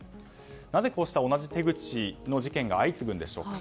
なぜこうした同じ手口の事件が相次ぐんでしょうか。